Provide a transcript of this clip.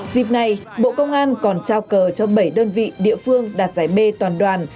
dịp này bộ công an còn trao cờ cho bảy đơn vị địa phương đạt giải b toàn đoàn